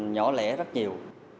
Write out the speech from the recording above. nhỏ lẻ rất nhiều